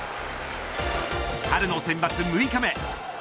春のセンバツ６日目。